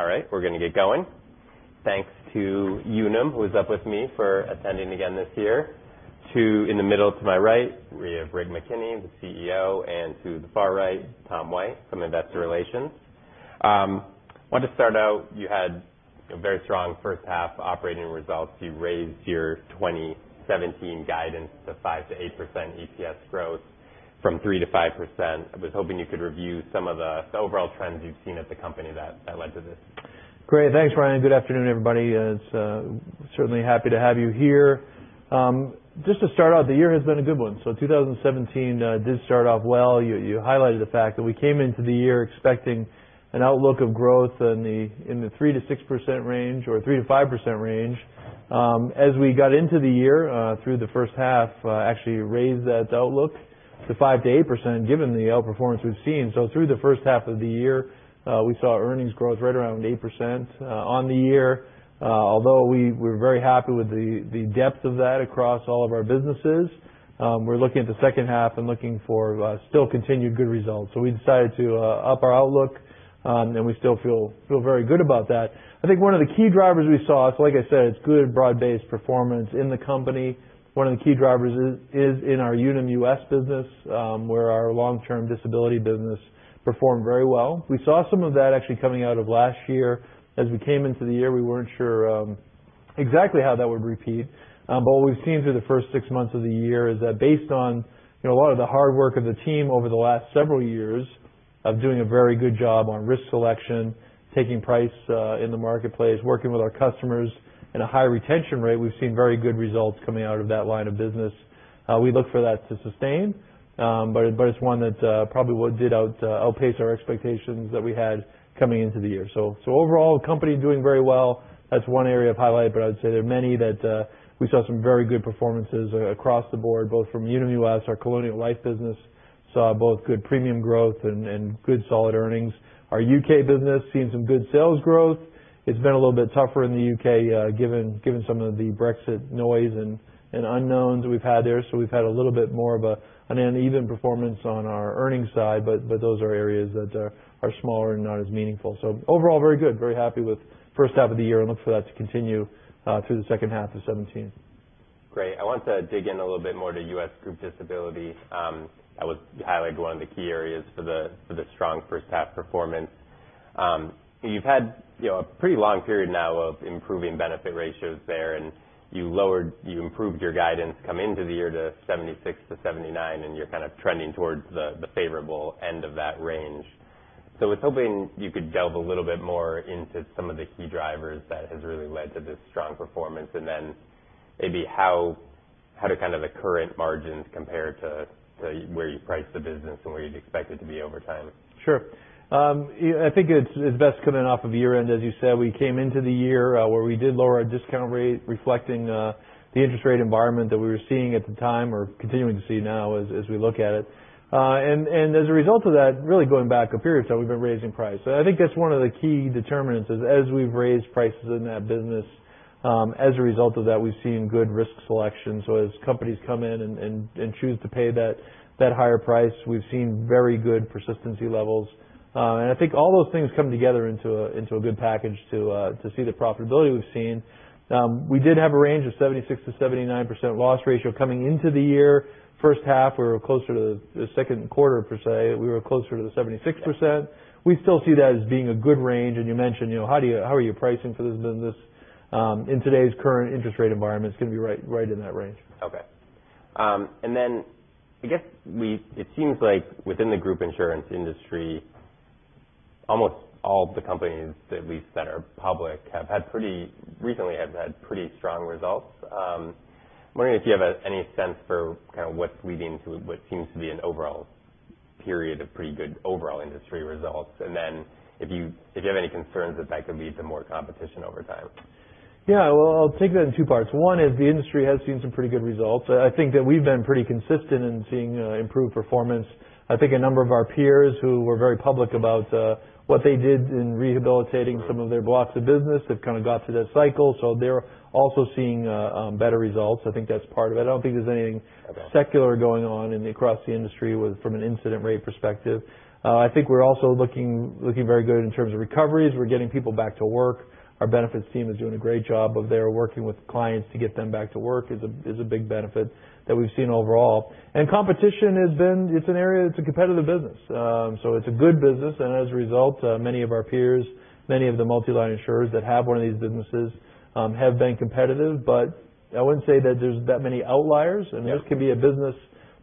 All right, we're going to get going. Thanks to Unum, who is up with me, for attending again this year. Two in the middle, to my right, we have Rick McKenney, the CEO, and to the far right, Tom White from investor relations. Wanted to start out, you had a very strong first half operating results. You raised your 2017 guidance to 5%-8% EPS growth from 3%-5%. I was hoping you could review some of the overall trends you've seen at the company that led to this. Great. Thanks, Ryan. Good afternoon, everybody. Certainly happy to have you here. Just to start out, the year has been a good one. 2017 did start off well. You highlighted the fact that we came into the year expecting an outlook of growth in the 3%-6% range, or 3%-5% range. As we got into the year, through the first half, actually raised that outlook to 5%-8% given the outperformance we've seen. Through the first half of the year, we saw earnings growth right around 8% on the year. Although we're very happy with the depth of that across all of our businesses, we're looking at the second half and looking for still continued good results. We decided to up our outlook, and we still feel very good about that. I think one of the key drivers we saw, it's like I said, it's good broad-based performance in the company. One of the key drivers is in our Unum US business, where our long-term disability business performed very well. We saw some of that actually coming out of last year. As we came into the year, we weren't sure exactly how that would repeat. What we've seen through the first six months of the year is that based on a lot of the hard work of the team over the last several years of doing a very good job on risk selection, taking price in the marketplace, working with our customers in a high retention rate, we've seen very good results coming out of that line of business. We look for that to sustain. It's one that probably did outpace our expectations that we had coming into the year. Overall, the company doing very well. That's one area of highlight, but I would say there are many that we saw some very good performances across the board, both from Unum US. Our Colonial Life business saw both good premium growth and good solid earnings. Our U.K. business seeing some good sales growth. It's been a little bit tougher in the U.K. given some of the Brexit noise and unknowns we've had there. We've had a little bit more of an uneven performance on our earnings side, those are areas that are smaller and not as meaningful. Overall, very good. Very happy with first half of the year and look for that to continue through the second half of 2017. Great. I want to dig in a little bit more to U.S. group disability. That was highly one of the key areas for the strong first half performance. You've had a pretty long period now of improving benefit ratios there, and you improved your guidance come into the year to 76%-79%, and you're kind of trending towards the favorable end of that range. I was hoping you could delve a little bit more into some of the key drivers that has really led to this strong performance, and then maybe how the current margins compare to where you priced the business and where you'd expect it to be over time. Sure. I think it's best coming off of year-end, as you said. We came into the year where we did lower our discount rate, reflecting the interest rate environment that we were seeing at the time or continuing to see now as we look at it. As a result of that, really going back a period, we've been raising price. I think that's one of the key determinants is as we've raised prices in that business, as a result of that, we've seen good risk selection. As companies come in and choose to pay that higher price, we've seen very good persistency levels. I think all those things come together into a good package to see the profitability we've seen. We did have a range of 76%-79% loss ratio coming into the year. First half, we were closer to the second quarter per se. We were closer to the 76%. We still see that as being a good range, you mentioned how are you pricing for this business in today's current interest rate environment. It's going to be right in that range. Okay. I guess it seems like within the group insurance industry, almost all the companies, at least that are public, recently have had pretty strong results. I'm wondering if you have any sense for what's leading to what seems to be an overall period of pretty good overall industry results. If you have any concerns that could lead to more competition over time. I'll take that in two parts. One is the industry has seen some pretty good results. I think that we've been pretty consistent in seeing improved performance. I think a number of our peers who were very public about what they did in rehabilitating some of their blocks of business have kind of got through that cycle, so they're also seeing better results. I think that's part of it. I don't think there's anything secular going on across the industry from an incident rate perspective. I think we're also looking very good in terms of recoveries. We're getting people back to work. Our benefits team is doing a great job of they're working with clients to get them back to work is a big benefit that we've seen overall. Competition, it's an area that's a competitive business. It's a good business, and as a result, many of our peers, many of the multi-line insurers that have one of these businesses have been competitive. I wouldn't say that there's that many outliers, and this can be a business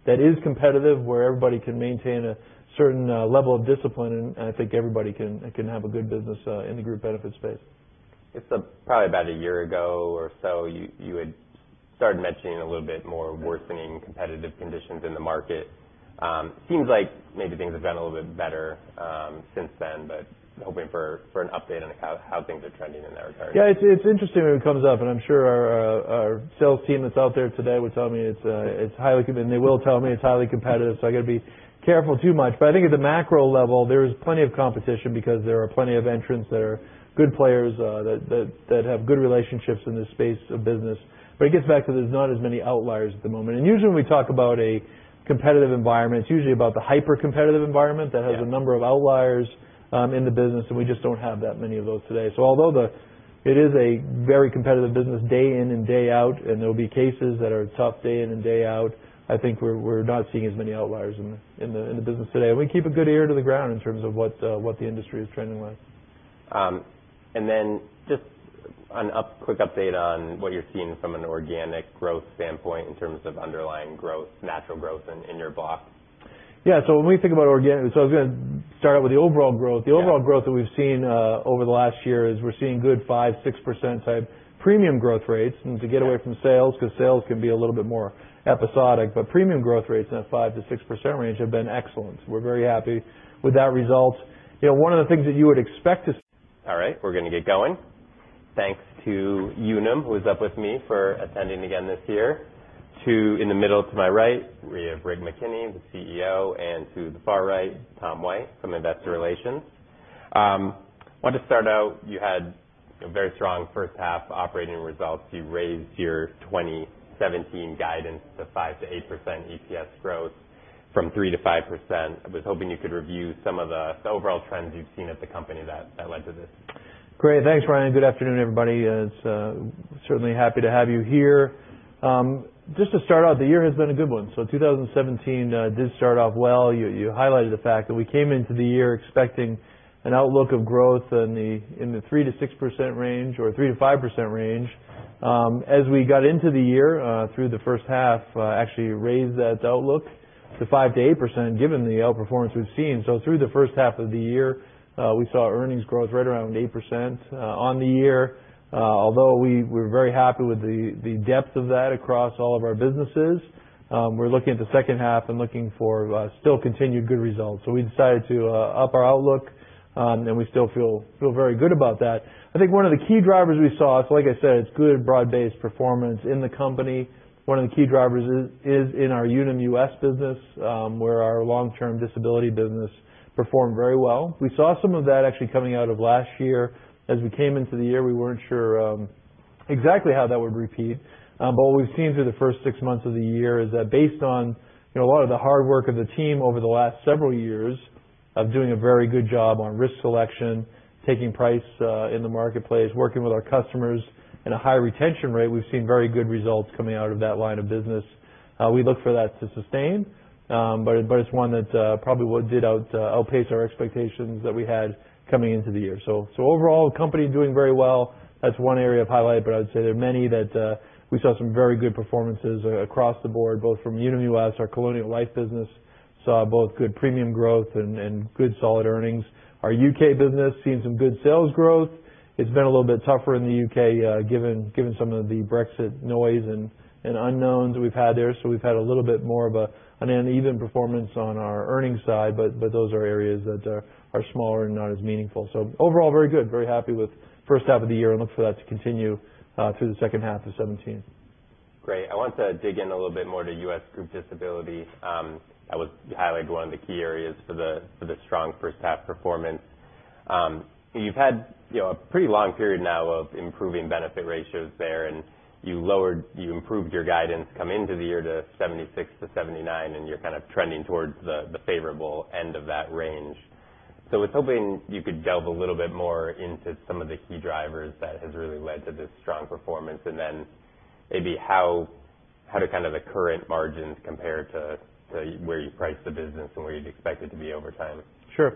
that is competitive where everybody can maintain a certain level of discipline, and I think everybody can have a good business in the group benefit space. I guess probably about one year ago or so, you had started mentioning a little bit more worsening competitive conditions in the market. Seems like maybe things have been a little bit better since then, hoping for an update on how things are trending in that regard. It's interesting when it comes up, and I'm sure our sales team that's out there today would tell me it's highly competitive, and they will tell me it's highly competitive, I got to be careful too much. I think at the macro level, there is plenty of competition because there are plenty of entrants that are good players that have good relationships in this space of business. It gets back to there's not as many outliers at the moment. Usually, when we talk about a competitive environment, it's usually about the hyper-competitive environment that has a number of outliers in the business, and we just don't have that many of those today. Although it is a very competitive business day in and day out, and there will be cases that are tough day in and day out. I think we're not seeing as many outliers in the business today. We keep a good ear to the ground in terms of what the industry is trending like. Just a quick update on what you're seeing from an organic growth standpoint in terms of underlying growth, natural growth in your block. Yeah. When we think about organic, I was going to start out with the overall growth. Yeah. The overall growth that we've seen over the last year is we're seeing good 5%, 6% type premium growth rates. To get away from sales, because sales can be a little bit more episodic, but premium growth rates in a 5%-6% range have been excellent. We're very happy with that result. One of the things that you would expect to. All right. We're going to get going. Thanks to Unum, who is up with me, for attending again this year. Two in the middle to my right, we have Rick McKenney, the CEO, and to the far right, Tom White from investor relations. Wanted to start out, you had very strong first half operating results. You raised your 2017 guidance to 5%-8% EPS growth from 3%-5%. I was hoping you could review some of the overall trends you've seen at the company that led to this. Great. Thanks, Ryan. Good afternoon, everybody. Certainly happy to have you here. Just to start out, the year has been a good one. 2017 did start off well. You highlighted the fact that we came into the year expecting an outlook of growth in the 3%-6% range or 3%-5% range. As we got into the year, through the first half, actually raised that outlook to 5%-8% given the outperformance we've seen. Through the first half of the year, we saw earnings growth right around 8% on the year. Although we're very happy with the depth of that across all of our businesses, we're looking at the second half and looking for still continued good results. We decided to up our outlook, and we still feel very good about that. I think one of the key drivers we saw, it's like I said, it's good broad-based performance in the company. One of the key drivers is in our Unum US business, where our long-term disability business performed very well. We saw some of that actually coming out of last year. As we came into the year, we weren't sure exactly how that would repeat. What we've seen through the first six months of the year is that based on a lot of the hard work of the team over the last several years of doing a very good job on risk selection, taking price in the marketplace, working with our customers in a high retention rate, we've seen very good results coming out of that line of business. We look for that to sustain. It's one that probably did outpace our expectations that we had coming into the year. Overall, the company doing very well. That's one area of highlight, I would say there are many that we saw some very good performances across the board, both from Unum US. Our Colonial Life business saw both good premium growth and good solid earnings. Our U.K. business seen some good sales growth. It's been a little bit tougher in the U.K. given some of the Brexit noise and unknowns we've had there. We've had a little bit more of an uneven performance on our earnings side, those are areas that are smaller and not as meaningful. Overall, very good, very happy with first half of the year and look for that to continue through the second half of 2017. Great. I want to dig in a little bit more to U.S. group disability. That was highly one of the key areas for the strong first half performance. You've had a pretty long period now of improving benefit ratios there and you improved your guidance come into the year to 76%-79%, and you're kind of trending towards the favorable end of that range. I was hoping you could delve a little bit more into some of the key drivers that has really led to this strong performance, and then maybe how do kind of the current margins compare to where you priced the business and where you'd expect it to be over time? Sure.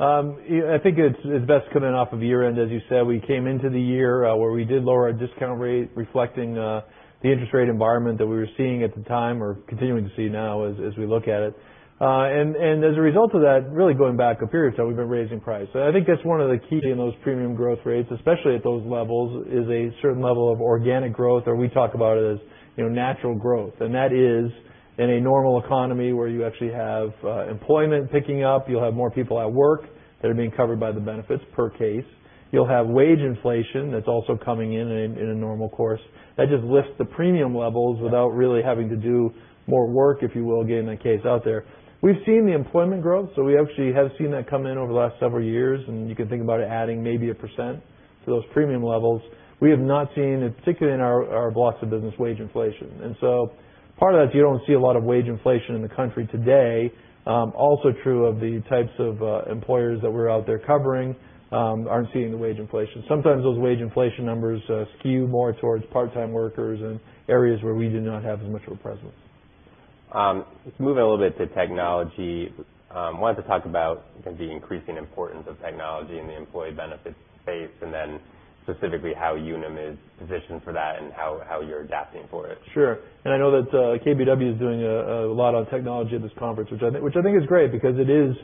I think it's best coming off of year-end, as you said. We came into the year where we did lower our discount rate, reflecting the interest rate environment that we were seeing at the time or continuing to see now as we look at it. As a result of that, really going back a period, so we've been raising price. I think that's one of the key things, those premium growth rates, especially at those levels, is a certain level of organic growth, or we talk about it as natural growth. That is in a normal economy where you actually have employment picking up. You'll have more people at work that are being covered by the benefits per case. You'll have wage inflation that's also coming in in a normal course. That just lifts the premium levels without really having to do more work, if you will, getting a case out there. We've seen the employment growth, so we actually have seen that come in over the last several years, and you can think about it adding maybe 1% to those premium levels. We have not seen, particularly in our blocks of business, wage inflation. So part of that is you don't see a lot of wage inflation in the country today. Also true of the types of employers that we're out there covering aren't seeing the wage inflation. Sometimes those wage inflation numbers skew more towards part-time workers and areas where we do not have as much of a presence. Let's move a little bit to technology. Wanted to talk about kind of the increasing importance of technology in the employee benefits space, and then specifically how Unum is positioned for that and how you're adapting for it. Sure. I know that KBW is doing a lot on technology at this conference, which I think is great because it is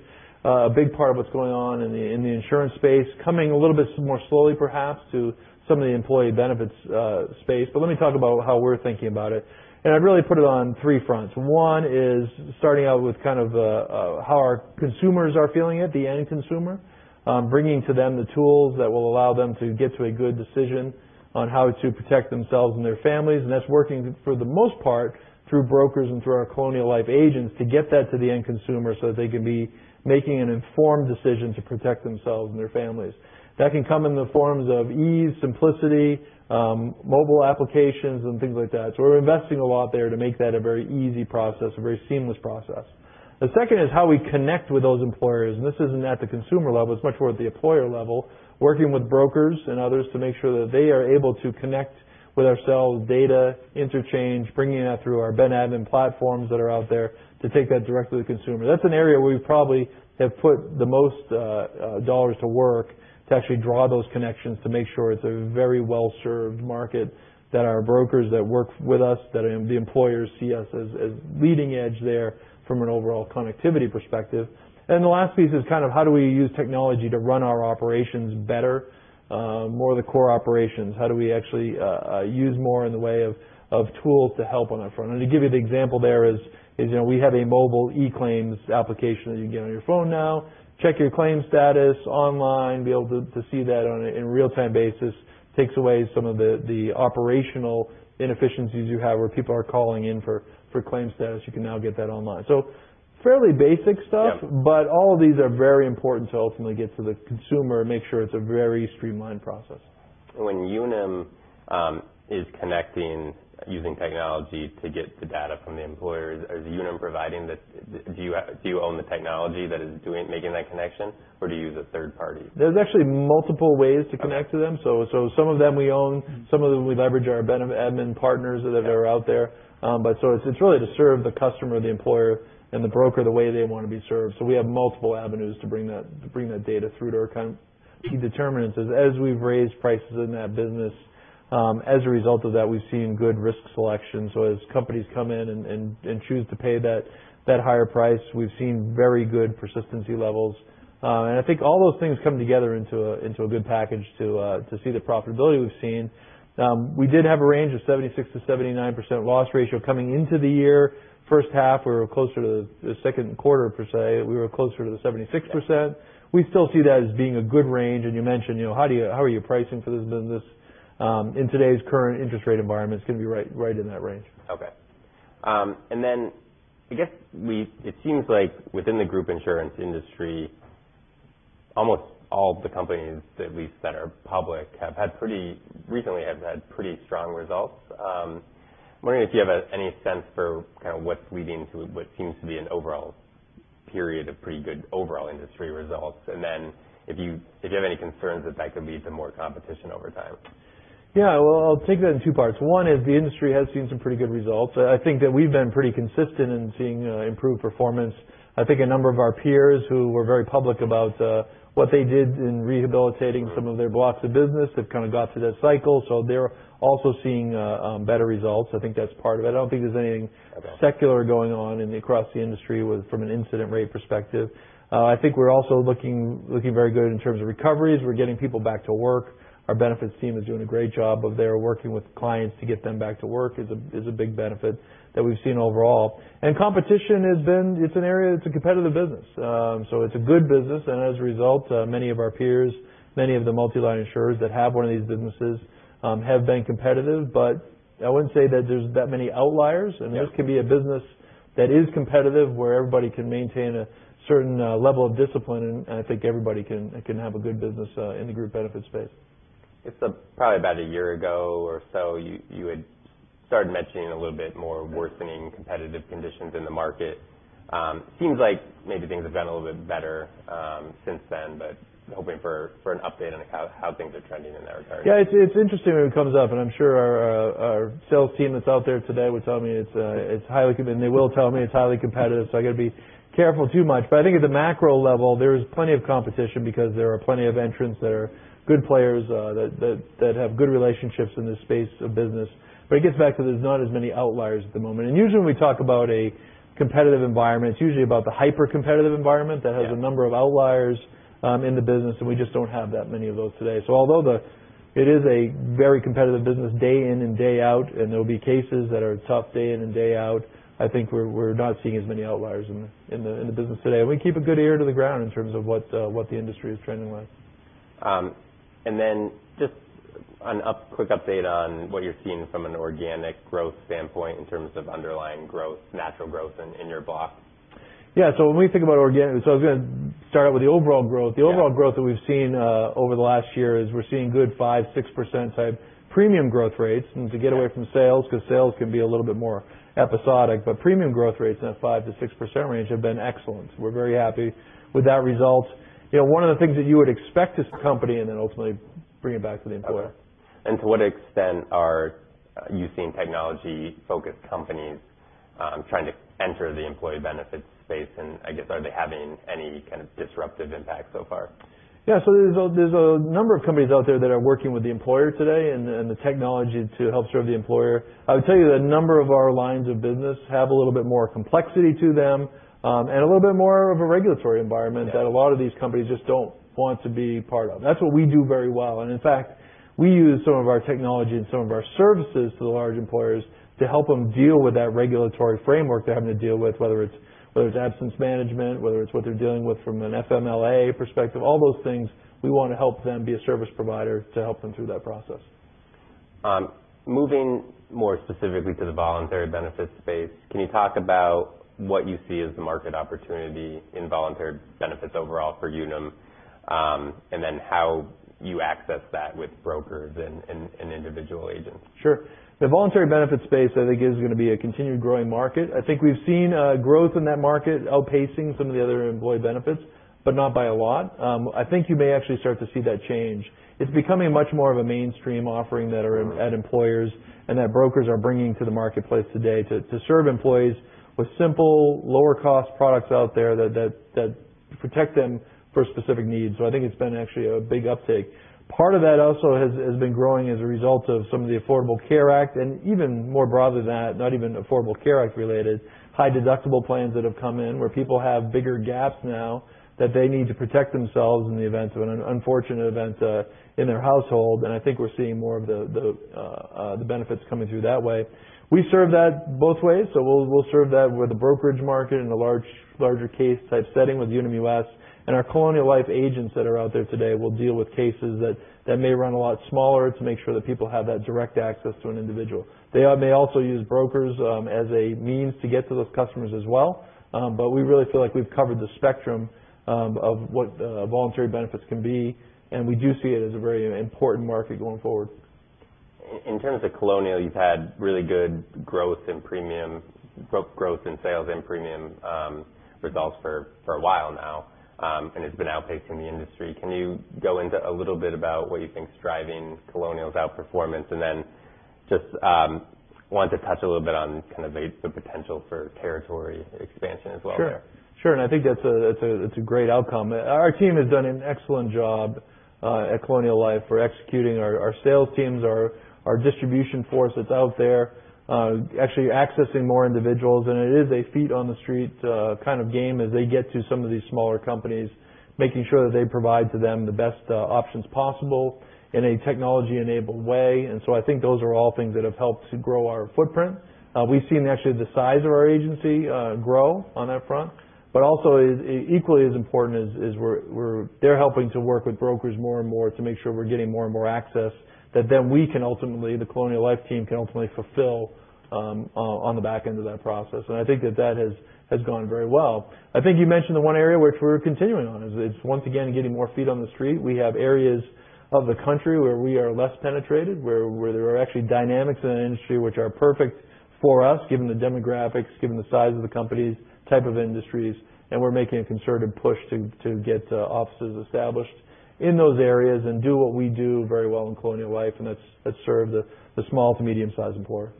a big part of what's going on in the insurance space, coming a little bit more slowly, perhaps, to some of the employee benefits space. Let me talk about how we're thinking about it, and I'd really put it on three fronts. One is starting out with kind of how our consumers are feeling it, the end consumer. Bringing to them the tools that will allow them to get to a good decision on how to protect themselves and their families. That's working, for the most part, through brokers and through our Colonial Life agents to get that to the end consumer so that they can be making an informed decision to protect themselves and their families. That can come in the forms of ease, simplicity, mobile applications, and things like that. We're investing a lot there to make that a very easy process, a very seamless process. The second is how we connect with those employers. This isn't at the consumer level, it's much more at the employer level, working with brokers and others to make sure that they are able to connect with our sales data interchange, bringing that through our benefit admin platforms that are out there to take that directly to consumer. That's an area we probably have put the most dollars to work to actually draw those connections to make sure it's a very well-served market, that our brokers that work with us, that the employers see us as leading edge there from an overall connectivity perspective. The last piece is kind of how do we use technology to run our operations better, more the core operations. How do we actually use more in the way of tools to help on that front? To give you the example there is, we have a mobile eClaims application that you can get on your phone now, check your claim status online, be able to see that on a real-time basis. Takes away some of the operational inefficiencies you have where people are calling in for claim status, you can now get that online. Fairly basic stuff. Yeah. All of these are very important to ultimately get to the consumer and make sure it's a very streamlined process. When Unum is connecting using technology to get the data from the employers, do you own the technology that is making that connection, or do you use a third party? There's actually multiple ways to connect to them. Some of them we own, some of them we leverage our benefit admin partners that are out there. It's really to serve the customer, the employer, and the broker the way they want to be served. We have multiple avenues to bring that data through to our account. Key determinants is, as we've raised prices in that business, as a result of that, we've seen good risk selection. As companies come in and choose to pay that higher price, we've seen very good persistency levels. I think all those things come together into a good package to see the profitability we've seen. We did have a range of 76%-79% loss ratio coming into the year. First half, we were closer to the second quarter per se, we were closer to the 76%. We still see that as being a good range. You mentioned, how are you pricing for this business? In today's current interest rate environment, it's going to be right in that range. Okay. I guess it seems like within the group insurance industry, almost all of the companies at least that are public, recently have had pretty strong results. I'm wondering if you have any sense for kind of what's leading to what seems to be an overall period of pretty good overall industry results. If you have any concerns that that could lead to more competition over time. Well, I'll take that in two parts. One is the industry has seen some pretty good results. I think that we've been pretty consistent in seeing improved performance. I think a number of our peers who were very public about what they did in rehabilitating some of their blocks of business have kind of got through that cycle, so they're also seeing better results. I think that's part of it. I don't think there's anything secular going on across the industry from an incident rate perspective. I think we're also looking very good in terms of recoveries. We're getting people back to work. Our benefits team is doing a great job of they're working with clients to get them back to work, is a big benefit that we've seen overall. Competition, it's an area that's a competitive business. It's a good business, and as a result, many of our peers, many of the multi-line insurers that have one of these businesses, have been competitive, but I wouldn't say that there's that many outliers. This can be a business that is competitive where everybody can maintain a certain level of discipline, and I think everybody can have a good business in the group benefit space. I guess probably about one year ago or so, you had started mentioning a little bit more worsening competitive conditions in the market. Seems like maybe things have gotten a little bit better since then, hoping for an update on how things are trending in that regard. It's interesting when it comes up, and I'm sure our sales team that's out there today would tell me it's highly competitive, I got to be careful too much. I think at the macro level, there is plenty of competition because there are plenty of entrants that are good players, that have good relationships in this space of business. It gets back to there's not as many outliers at the moment. Usually when we talk about a competitive environment, it's usually about the hyper-competitive environment that has a number of outliers in the business, and we just don't have that many of those today. Although it is a very competitive business day in and day out, there will be cases that are tough day in and day out, I think we're not seeing as many outliers in the business today. We keep a good ear to the ground in terms of what the industry is trending like. Just a quick update on what you're seeing from an organic growth standpoint in terms of underlying growth, natural growth in your block. Yeah. I was going to start out with the overall growth. Yeah. The overall growth that we've seen over the last year is we're seeing good 5%, 6% type premium growth rates. To get away from sales, because sales can be a little bit more episodic, but premium growth rates in a 5%-6% range have been excellent. We're very happy with that result. One of the things that you would expect as a company, and then ultimately bring it back to the employer. Okay. To what extent are you seeing technology-focused companies trying to enter the employee benefits space? I guess, are they having any kind of disruptive impact so far? Yeah. There's a number of companies out there that are working with the employer today and the technology to help serve the employer. I would tell you that a number of our lines of business have a little bit more complexity to them, and a little bit more of a regulatory environment that a lot of these companies just don't want to be part of. That's what we do very well. In fact, we use some of our technology and some of our services to the large employers to help them deal with that regulatory framework they're having to deal with, whether it's absence management, whether it's what they're dealing with from an FMLA perspective, all those things, we want to help them be a service provider to help them through that process. Moving more specifically to the voluntary benefits space, can you talk about what you see as the market opportunity in voluntary benefits overall for Unum, how you access that with brokers and individual agents? Sure. The voluntary benefits space, I think, is going to be a continued growing market. I think we've seen growth in that market outpacing some of the other employee benefits, but not by a lot. I think you may actually start to see that change. It's becoming much more of a mainstream offering that are at employers and that brokers are bringing to the marketplace today to serve employees with simple, lower-cost products out there that protect them for specific needs. I think it's been actually a big uptake. Part of that also has been growing as a result of some of the Affordable Care Act and even more broadly than that, not even Affordable Care Act related, high deductible plans that have come in where people have bigger gaps now that they need to protect themselves in the event of an unfortunate event in their household. I think we're seeing more of the benefits coming through that way. We serve that both ways. We'll serve that with the brokerage market in a larger case type setting with Unum US and our Colonial Life agents that are out there today will deal with cases that may run a lot smaller to make sure that people have that direct access to an individual. They also use brokers as a means to get to those customers as well. We really feel like we've covered the spectrum of what voluntary benefits can be, and we do see it as a very important market going forward. In terms of Colonial, you've had really good growth in sales and premium results for a while now, and it's been outpacing the industry. Can you go into a little bit about what you think is driving Colonial's outperformance? Then just want to touch a little bit on kind of the potential for territory expansion as well there. Sure. Sure, I think that's a great outcome. Our team has done an excellent job at Colonial Life. We're executing our sales teams, our distribution force that's out there, actually accessing more individuals, and it is a feet on the street kind of game as they get to some of these smaller companies, making sure that they provide to them the best options possible in a technology-enabled way. I think those are all things that have helped to grow our footprint. We've seen actually the size of our agency grow on that front, but also equally as important is they're helping to work with brokers more and more to make sure we're getting more and more access that then we can ultimately, the Colonial Life team, can ultimately fulfill on the back end of that process. I think that has gone very well. I think you mentioned the one area which we're continuing on is it's once again, getting more feet on the street. We have areas of the country where we are less penetrated, where there are actually dynamics in the industry which are perfect for us, given the demographics, given the size of the companies, type of industries, and we're making a concerted push to get offices established in those areas and do what we do very well in Colonial Life, and that's serve the small to medium sized employer.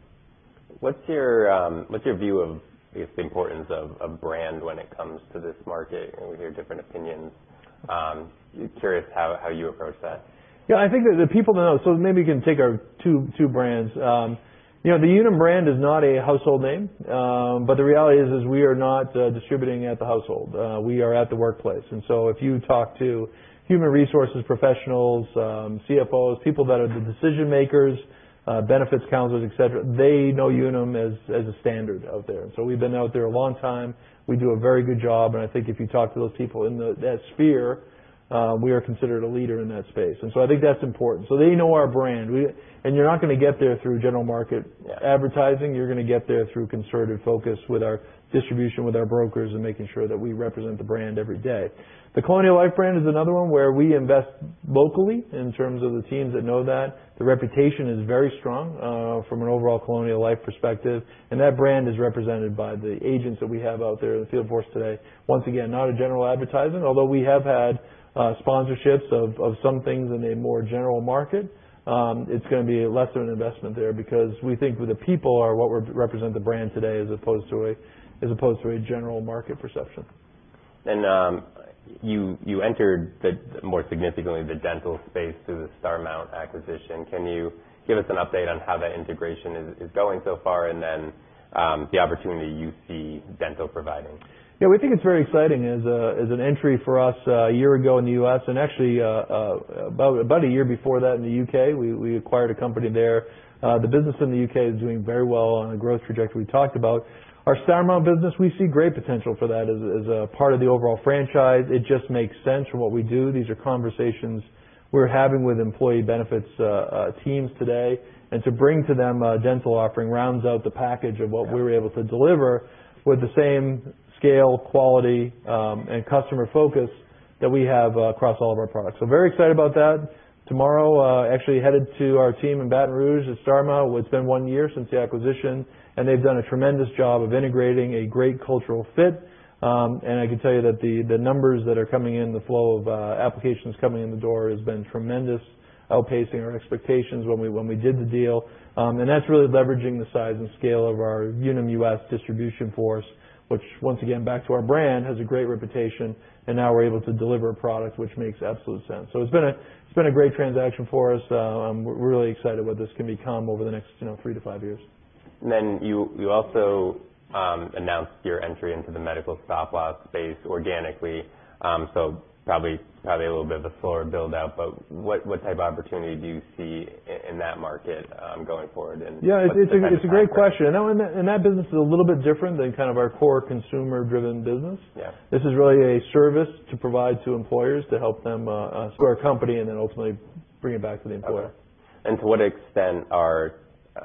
What's your view of the importance of a brand when it comes to this market? We hear different opinions. Curious how you approach that. I think that the people know. Maybe we can take our two brands. The Unum brand is not a household name, but the reality is we are not distributing at the household. If you talk to human resources professionals, CFOs, people that are the decision makers, benefits counselors, et cetera, they know Unum as a standard out there. We've been out there a long time. We do a very good job, and I think if you talk to those people in that sphere, we are considered a leader in that space. I think that's important. They know our brand. You're not going to get there through general market advertising. You're going to get there through concerted focus with our distribution, with our brokers, and making sure that we represent the brand every day. The Colonial Life brand is another one where we invest locally in terms of the teams that know that. The reputation is very strong from an overall Colonial Life perspective, and that brand is represented by the agents that we have out there in the field force today. Once again, not a general advertisement, although we have had sponsorships of some things in a more general market. It's going to be less of an investment there because we think the people are what represent the brand today as opposed to a general market perception. You entered the, more significantly, the dental space through the Starmount acquisition. Can you give us an update on how that integration is going so far, and then the opportunity you see dental providing? We think it's very exciting as an entry for us a year ago in the U.S., and actually about a year before that in the U.K. We acquired a company there. The business in the U.K. is doing very well on the growth trajectory we talked about. Our Starmount business, we see great potential for that as a part of the overall franchise. It just makes sense from what we do. These are conversations we're having with employee benefits teams today. To bring to them a Dental offering rounds out the package of what we were able to deliver with the same scale, quality, and customer focus that we have across all of our products. Very excited about that. Tomorrow, actually headed to our team in Baton Rouge at Starmount, where it's been one year since the acquisition, and they've done a tremendous job of integrating a great cultural fit. I can tell you that the numbers that are coming in, the flow of applications coming in the door has been tremendous, outpacing our expectations when we did the deal. That's really leveraging the size and scale of our Unum US distribution force, which once again, back to our brand, has a great reputation, and now we're able to deliver a product which makes absolute sense. It's been a great transaction for us. I'm really excited what this can become over the next three to five years. You also announced your entry into the Medical Stop Loss space organically. Probably a little bit of a slower build-out, what type of opportunity do you see in that market going forward and what's the kind of time frame? It's a great question. That business is a little bit different than kind of our core consumer-driven business. Yeah. This is really a service to provide to employers to help them start a company and then ultimately bring it back to the employer. Okay. To what extent are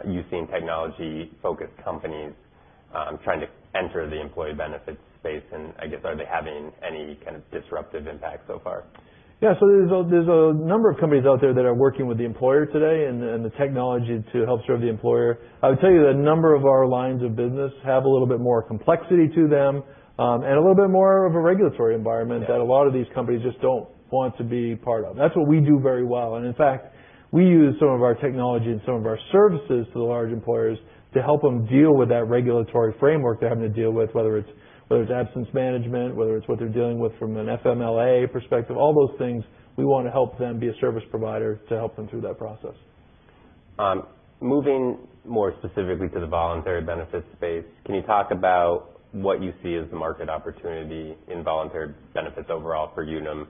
you seeing technology-focused companies trying to enter the employee benefits space, and I guess, are they having any kind of disruptive impact so far? Yeah. There's a number of companies out there that are working with the employer today and the technology to help serve the employer. I would tell you that a number of our lines of business have a little bit more complexity to them, and a little bit more of a regulatory environment- Yeah that a lot of these companies just don't want to be part of. That's what we do very well, and in fact, we use some of our technology and some of our services to the large employers to help them deal with that regulatory framework they're having to deal with, whether it's absence management, whether it's what they're dealing with from an FMLA perspective, all those things, we want to help them be a service provider to help them through that process. Moving more specifically to the voluntary benefits space, can you talk about what you see as the market opportunity in voluntary benefits overall for Unum,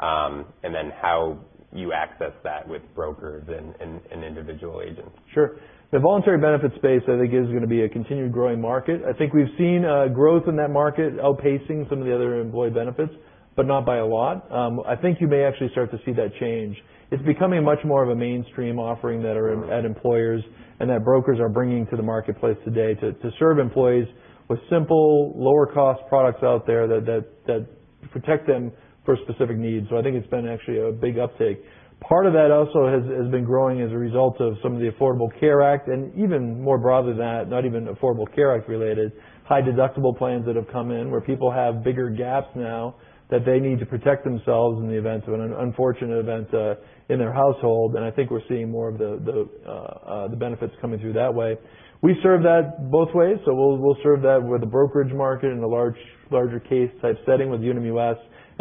how you access that with brokers and individual agents? Sure. The voluntary benefits space, I think is going to be a continued growing market. I think we've seen growth in that market outpacing some of the other employee benefits, not by a lot. I think you may actually start to see that change. It's becoming much more of a mainstream offering that are at employers and that brokers are bringing to the marketplace today to serve employees with simple, lower cost products out there that protect them for specific needs. I think it's been actually a big uptake. Part of that also has been growing as a result of some of the Affordable Care Act and even more broadly than that, not even Affordable Care Act related, high deductible plans that have come in, where people have bigger gaps now that they need to protect themselves in the event of an unfortunate event in their household. I think we're seeing more of the benefits coming through that way. We serve that both ways, we'll serve that with the brokerage market in a larger case type setting with Unum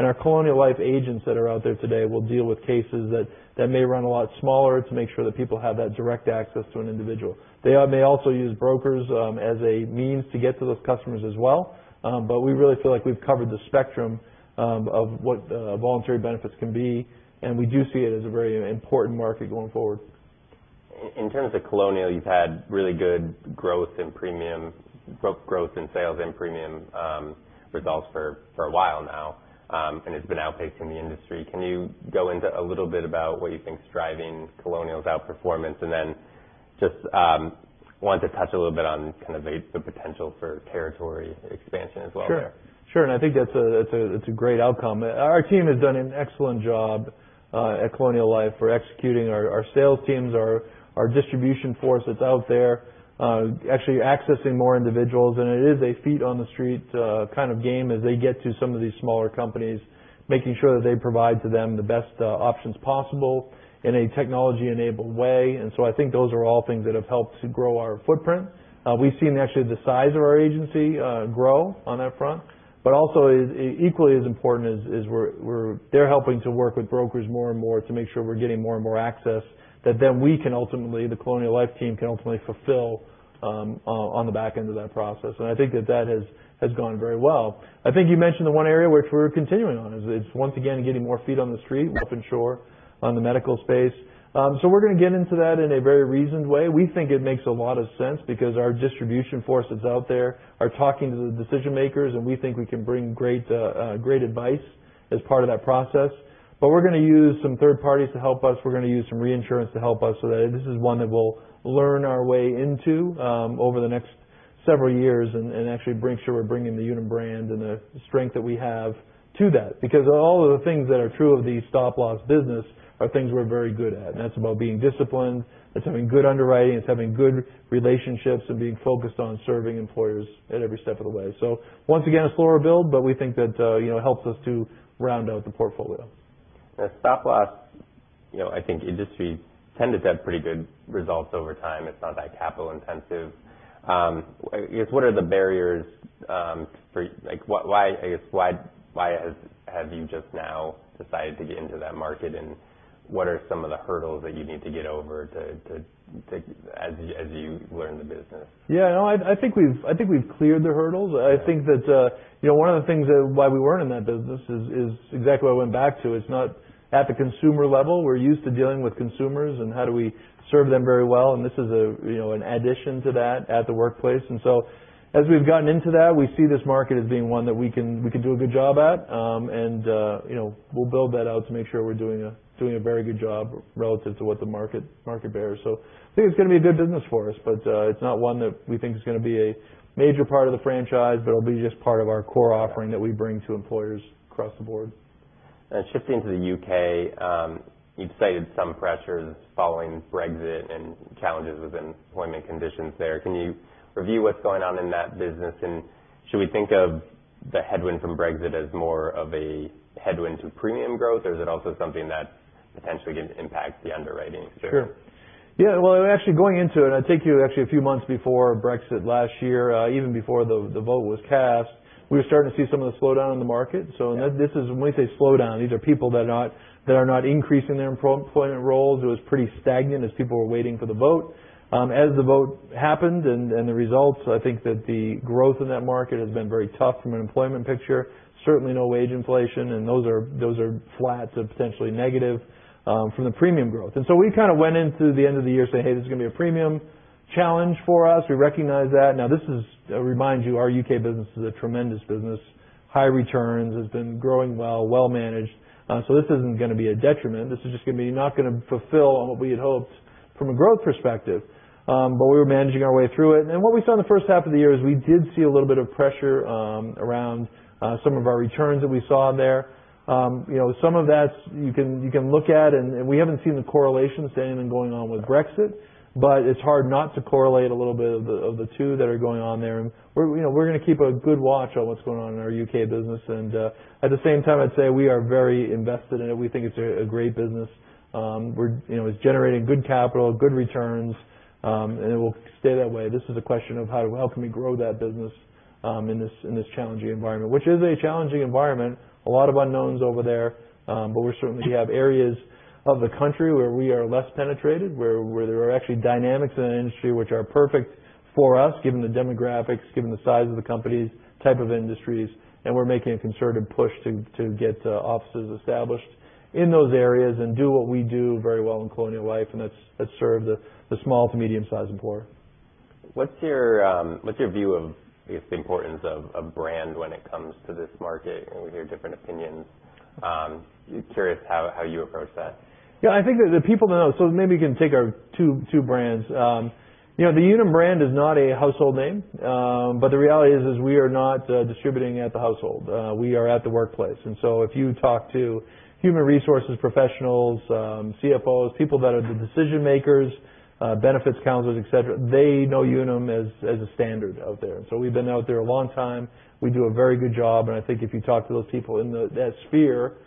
US, our Colonial Life agents that are out there today will deal with cases that may run a lot smaller to make sure that people have that direct access to an individual. They may also use brokers as a means to get to those customers as well. We really feel like we've covered the spectrum of what voluntary benefits can be, and we do see it as a very important market going forward. In terms of Colonial, you've had really good growth in sales and premium results for a while now. It's been outpacing the industry. Can you go into a little bit about what you think is driving Colonial's outperformance, just want to touch a little bit on kind of the potential for territory expansion as well there. Sure. Sure, I think that's a great outcome. Our team has done an excellent job at Colonial Life. We're executing our sales teams, our distribution force that's out there, actually accessing more individuals, it is a feet on the street kind of game as they get to some of these smaller companies, making sure that they provide to them the best options possible in a technology-enabled way. I think those are all things have helped to grow our footprint. We've seen actually the size of our agency grow on that front, but also equally as important is they're helping to work with brokers more and more to make sure we're getting more and more access that then we can ultimately, the Colonial Life team, can ultimately fulfill on the back end of that process. I think that has gone very well. I think you mentioned the one area which we're continuing on is it's once again, getting more feet on the street, up in stop loss, on the medical space. We're going to get into that in a very reasoned way. We think it makes a lot of sense because our distribution forces out there are talking to the decision-makers, we think we can bring great advice as part of that process. We're going to use some third parties to help us. We're going to use some reinsurance to help us so that this is one that we'll learn our way into, over the next several years and actually make sure we're bringing the Unum brand and the strength that we have to that. Because all of the things that are true of the stop loss business are things we're very good at. That's about being disciplined. It's having good underwriting. It's having good relationships and being focused on serving employers at every step of the way. Once again, a slower build, but we think that helps us to round out the portfolio. The stop loss, I think industries tend to get pretty good results over time. It's not that capital intensive. I guess what are the barriers, like why have you just now decided to get into that market and what are some of the hurdles that you need to get over as you learn the business? Yeah. No, I think we've cleared the hurdles. I think that one of the things why we weren't in that business is exactly what I went back to. It's not at the consumer level. We're used to dealing with consumers and how do we serve them very well, and this is an addition to that at the workplace. As we've gotten into that, we see this market as being one that we can do a good job at. We'll build that out to make sure we're doing a very good job relative to what the market bears. I think it's going to be a good business for us, but it's not one that we think is going to be a major part of the franchise, but it'll be just part of our core offering that we bring to employers across the board. Shifting to the U.K., you'd cited some pressures following Brexit and challenges with employment conditions there. Can you review what's going on in that business and should we think of the headwind from Brexit as more of a headwind to premium growth, or is it also something that potentially can impact the underwriting too? Sure. Yeah. Well, actually going into it, I'd take you actually a few months before Brexit last year, even before the vote was cast, we were starting to see some of the slowdown in the market. When we say slowdown, these are people that are not increasing their employment roles. It was pretty stagnant as people were waiting for the vote. As the vote happened and the results, I think that the growth in that market has been very tough from an employment picture. Certainly no wage inflation, and those are flats of potentially negative from the premium growth. We kind of went into the end of the year saying, "Hey, this is going to be a premium challenge for us." We recognize that. Now, this is a reminder you, our U.K. business is a tremendous business. High returns, has been growing well, well-managed. This isn't going to be a detriment. This is just not going to fulfill on what we had hoped from a growth perspective. We were managing our way through it. What we saw in the first half of the year is we did see a little bit of pressure around some of our returns that we saw there. Some of that you can look at, and we haven't seen the correlation to anything going on with Brexit, but it's hard not to correlate a little bit of the two that are going on there. We're going to keep a good watch on what's going on in our U.K. business. At the same time, I'd say we are very invested in it. We think it's a great business. It's generating good capital, good returns, and it will stay that way. This is a question of how can we grow that business in this challenging environment. Which is a challenging environment. A lot of unknowns over there. We certainly have areas of the country where we are less penetrated, where there are actually dynamics in the industry which are perfect for us, given the demographics, given the size of the companies, type of industries. We're making a concerted push to get offices established in those areas and do what we do very well in Colonial Life, and that's serve the small to medium-sized employer. What's your view of the importance of brand when it comes to this market? We hear different opinions. Curious how you approach that. I think that the people to know. Maybe we can take our two brands. The Unum brand is not a household name, but the reality is we are not distributing at the household. We are at the workplace. If you talk to human resources professionals, CFOs, people that are the decision makers, benefits counselors, et cetera, they know Unum as a standard out there. We've been out there a long time. We do a very good job, and I think if you talk to those people in that sphere,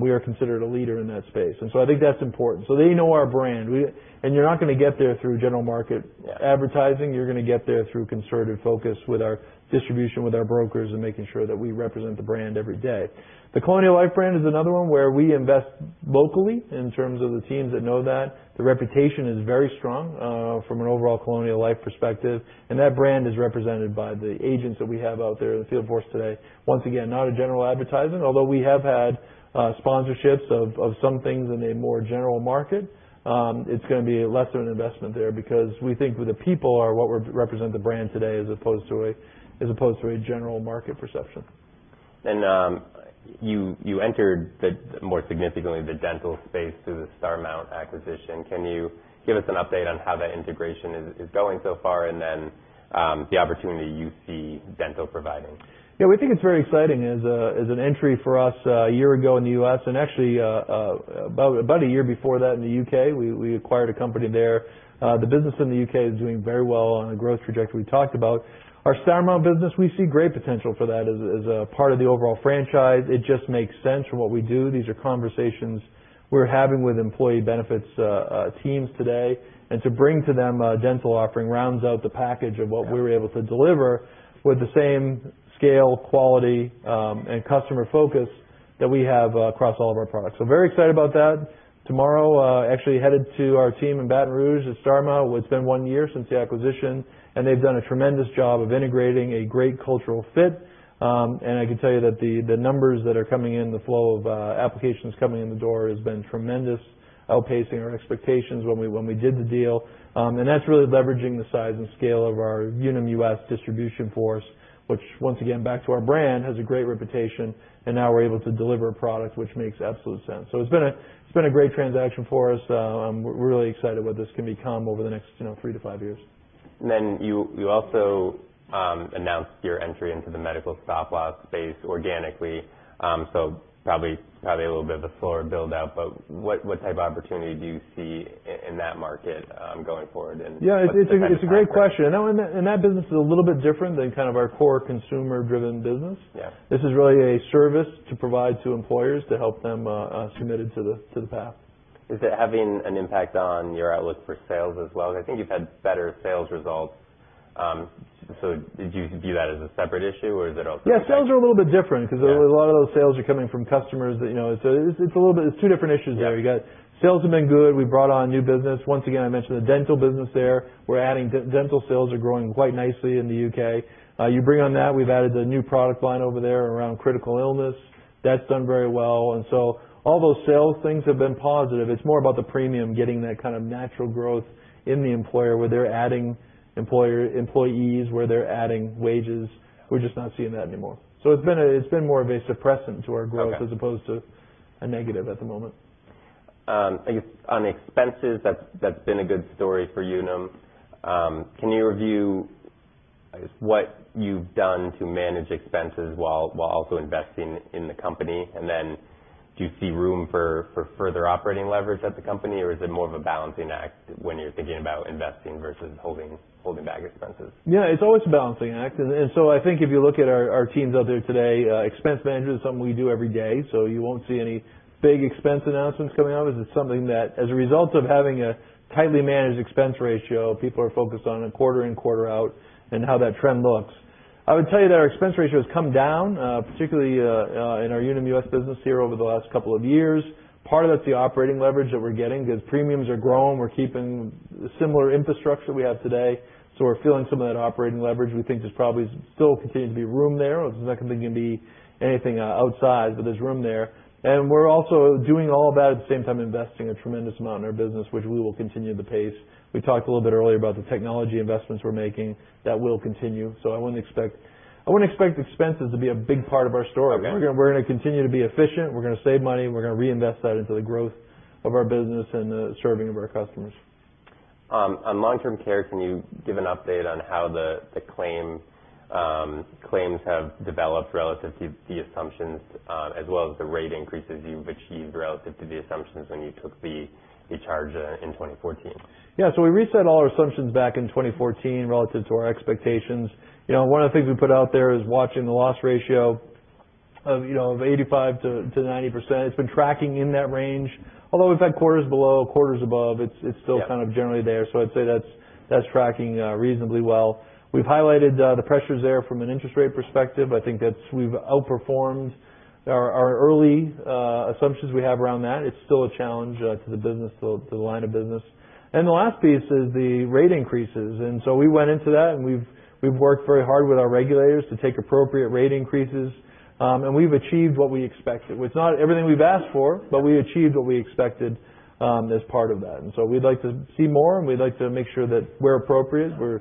we are considered a leader in that space. I think that's important. They know our brand. You're not going to get there through general market advertising. You're going to get there through concerted focus with our distribution, with our brokers, and making sure that we represent the brand every day. The Colonial Life brand is another one where we invest locally in terms of the teams that know that. The reputation is very strong from an overall Colonial Life perspective, and that brand is represented by the agents that we have out there in the field force today. Once again, not a general advertisement, although we have had sponsorships of some things in a more general market. It's going to be less of an investment there because we think the people are what represent the brand today, as opposed to a general market perception. You entered the, more significantly, the dental space through the Starmount acquisition. Can you give us an update on how that integration is going so far, and then the opportunity you see dental providing? We think it's very exciting as an entry for us a year ago in the U.S., and actually about a year before that in the U.K. We acquired a company there. The business in the U.K. is doing very well on the growth trajectory we talked about. Our Starmount business, we see great potential for that as a part of the overall franchise. It just makes sense from what we do. These are conversations we're having with employee benefits teams today. To bring to them a dental offering rounds out the package of what we were able to deliver with the same scale, quality, and customer focus that we have across all of our products. Very excited about that. Tomorrow, actually headed to our team in Baton Rouge at Starmount, where it's been one year since the acquisition. They've done a tremendous job of integrating a great cultural fit. I can tell you that the numbers that are coming in, the flow of applications coming in the door has been tremendous, outpacing our expectations when we did the deal. That's really leveraging the size and scale of our Unum US distribution force, which once again, back to our brand, has a great reputation. Now we're able to deliver a product which makes absolute sense. It's been a great transaction for us. I'm really excited what this can become over the next three to five years. You also announced your entry into the medical stop loss space organically. Probably a little bit of a slower build-out, but what type of opportunity do you see in that market going forward and what's the time frame? Yeah, it's a great question. That business is a little bit different than kind of our core consumer-driven business. Yeah. This is really a service to provide to employers to help them commit to the path. Is it having an impact on your outlook for sales as well? I think you've had better sales results. Do you view that as a separate issue, or is it also? Yeah, sales are a little bit different because a lot of those sales are coming from customers. It's two different issues there. Yeah. Sales have been good. We brought on new business. Once again, I mentioned the dental business there. We're adding. Dental sales are growing quite nicely in the U.K. We've added the new product line over there around Critical Illness Insurance. That's done very well. All those sales things have been positive. It's more about the premium, getting that kind of natural growth in the employer, where they're adding employees, where they're adding wages. We're just not seeing that anymore. It's been more of a suppressant to our growth. Okay As opposed to a negative at the moment. On expenses, that's been a good story for Unum. Can you review what you've done to manage expenses while also investing in the company? Do you see room for further operating leverage at the company or is it more of a balancing act when you're thinking about investing versus holding back expenses? It's always a balancing act. If you look at our teams out there today, expense management is something we do every day, so you won't see any big expense announcements coming out. This is something that as a result of having a tightly managed expense ratio, people are focused on a quarter in, quarter out, and how that trend looks. I would tell you that our expense ratio has come down, particularly in our Unum US business here over the last couple of years. Part of that's the operating leverage that we're getting because premiums are growing. We're keeping similar infrastructure we have today. We're feeling some of that operating leverage. We think there's probably still continues to be room there. It's not going to be anything outside, but there's room there. We're also doing all of that at the same time investing a tremendous amount in our business, which we will continue the pace. We talked a little bit earlier about the technology investments we're making. That will continue. I wouldn't expect expenses to be a big part of our story. Okay. We're going to continue to be efficient. We're going to save money, and we're going to reinvest that into the growth of our business and the serving of our customers. On long-term care, can you give an update on how the claims have developed relative to the assumptions, as well as the rate increases you've achieved relative to the assumptions when you took the charge in 2014? Yeah. We reset all our assumptions back in 2014 relative to our expectations. One of the things we put out there is watching the loss ratio of 85%-90%. It's been tracking in that range. Although we've had quarters below, quarters above, it's still kind of generally there. I'd say that's tracking reasonably well. We've highlighted the pressures there from an interest rate perspective. I think that we've outperformed our early assumptions we have around that. It's still a challenge to the business, to the line of business. The last piece is the rate increases. We went into that, and we've worked very hard with our regulators to take appropriate rate increases. We've achieved what we expected. It's not everything we've asked for, but we achieved what we expected as part of that. We'd like to see more, and we'd like to make sure that where appropriate, we're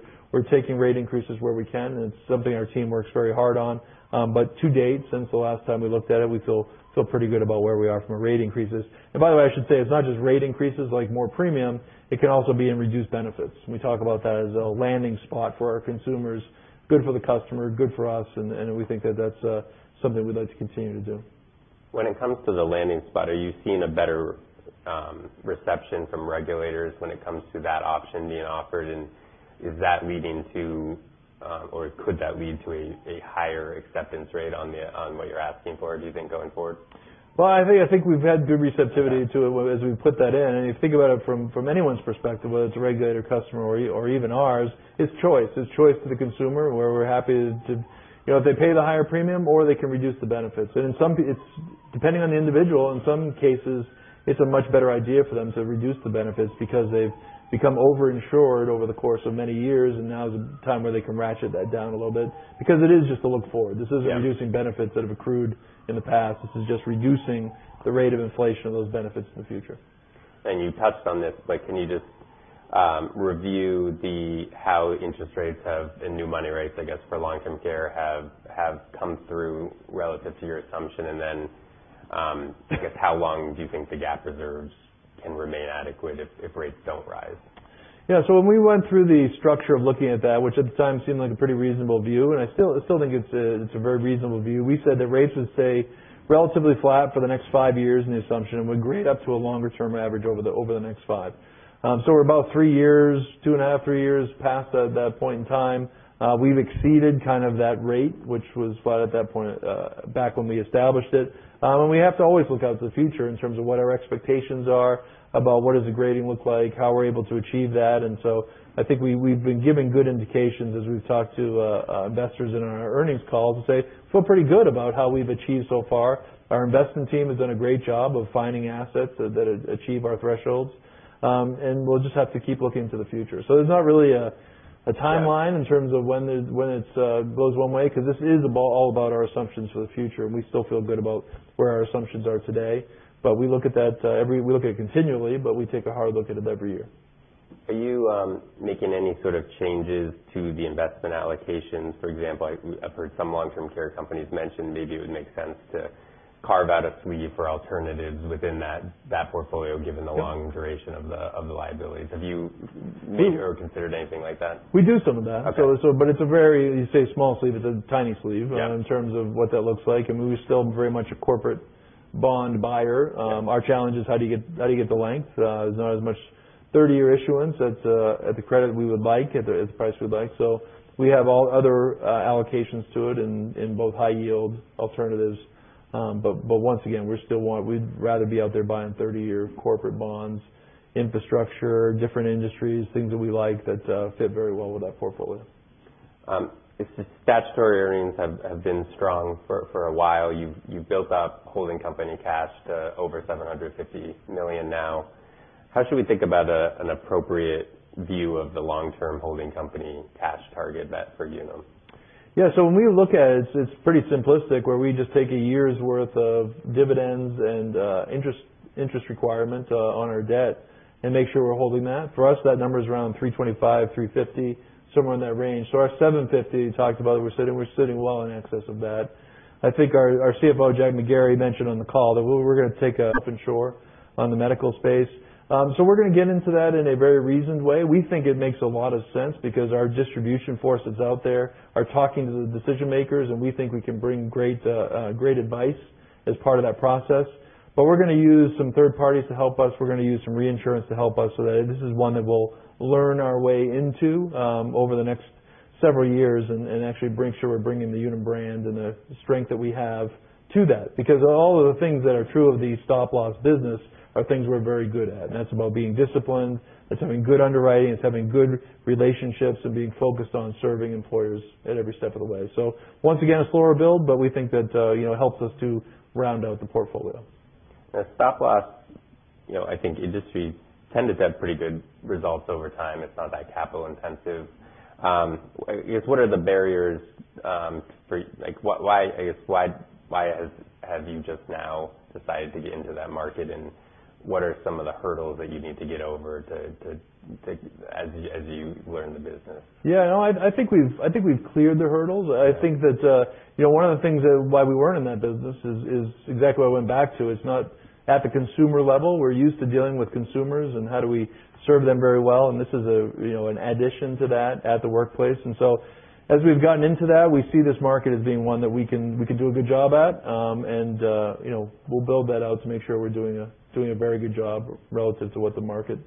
taking rate increases where we can, and it's something our team works very hard on. To date, since the last time we looked at it, we feel pretty good about where we are from a rate increases. By the way, I should say it's not just rate increases like more premium, it can also be in reduced benefits. We talk about that as a landing spot for our consumers, good for the customer, good for us, and we think that that's something we'd like to continue to do. When it comes to the landing spot, are you seeing a better reception from regulators when it comes to that option being offered, and is that leading to or could that lead to a higher acceptance rate on what you're asking for, do you think, going forward? Well, I think we've had good receptivity to it as we put that in. If you think about it from anyone's perspective, whether it's a regulator customer or even ours, it's choice. It's choice to the consumer where we're happy if they pay the higher premium or they can reduce the benefits. Depending on the individual, in some cases, it's a much better idea for them to reduce the benefits because they've become over-insured over the course of many years, and now is the time where they can ratchet that down a little bit because it is just a look forward. This isn't reducing benefits that have accrued in the past. This is just reducing the rate of inflation of those benefits in the future. You touched on this, but can you just review how interest rates have, and new money rates, I guess, for long-term care have come through relative to your assumption? Then, I guess how long do you think the GAAP reserves can remain adequate if rates don't rise? When we went through the structure of looking at that, which at the time seemed like a pretty reasonable view, and I still think it's a very reasonable view. We said that rates would stay relatively flat for the next 5 years in the assumption and would grade up to a longer-term average over the next 5. We're about three years, two and a half, three years past that point in time. We've exceeded kind of that rate, which was flat at that point, back when we established it. We have to always look out to the future in terms of what our expectations are about what does the grading look like, how we're able to achieve that. I think we've been giving good indications as we've talked to investors in our earnings call to say, feel pretty good about how we've achieved so far. Our investment team has done a great job of finding assets that achieve our thresholds. We'll just have to keep looking to the future. There's not really a timeline in terms of when it goes one way because this is all about our assumptions for the future, and we still feel good about where our assumptions are today. We look at it continually, but we take a hard look at it every year. Are you making any sort of changes to the investment allocations? For example, I've heard some long-term care companies mention maybe it would make sense to carve out a sleeve for alternatives within that portfolio, given the long duration of the liabilities. Have you- We- ever considered anything like that? We do some of that. Okay. It's a very, you say small sleeve, it's a tiny sleeve. Yeah in terms of what that looks like, we're still very much a corporate bond buyer. Our challenge is how do you get the length? There's not as much 30-year issuance at the credit we would like, at the price we would like. We have all other allocations to it in both high yield alternatives. Once again, we'd rather be out there buying 30-year corporate bonds, infrastructure, different industries, things that we like that fit very well with our portfolio. Statutory earnings have been strong for a while. You've built up holding company cash to over $750 million now. How should we think about an appropriate view of the long-term holding company cash target net for Unum? When we look at it's pretty simplistic, where we just take a year's worth of dividends and interest requirements on our debt and make sure we're holding that. For us, that number is around $325, $350, somewhere in that range. Our $750 you talked about, we're sitting well in excess of that. I think our CFO, Jack McGarry, mentioned on the call that we're going to take a stop loss on the medical space. We're going to get into that in a very reasoned way. We think it makes a lot of sense because our distribution force that's out there are talking to the decision-makers, and we think we can bring great advice as part of that process. We're going to use some third parties to help us. We're going to use some reinsurance to help us so that this is one that we'll learn our way into, over the next several years and actually make sure we're bringing the Unum brand and the strength that we have to that. Because all of the things that are true of the stop-loss business are things we're very good at, and that's about being disciplined, it's having good underwriting, it's having good relationships, and being focused on serving employers at every step of the way. Once again, a slower build, but we think that it helps us to round out the portfolio. The stop-loss, I think industry tend to have pretty good results over time. It's not that capital intensive. I guess what are the barriers, like why have you just now decided to get into that market, and what are some of the hurdles that you need to get over as you learn the business? I think we've cleared the hurdles. Yeah. I think that one of the things that why we weren't in that business is exactly what I went back to. It's not at the consumer level. We're used to dealing with consumers and how do we serve them very well, this is an addition to that at the workplace. As we've gotten into that, we see this market as being one that we can do a good job at. We'll build that out to make sure we're doing a very good job relative to what the market